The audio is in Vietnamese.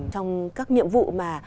trong các nhiệm vụ mà